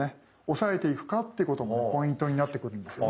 抑えていくかっていうこともポイントになってくるんですね。